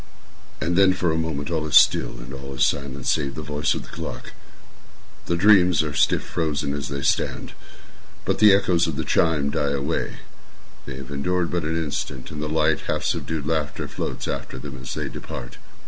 And then, for a moment, all is still, and all is silent save the voice of the clock. The dreams are stiff frozen as they stand. But the echoes of the chime die away—they have endured but an instant—and a light, half subdued laughter floats after them as they depart.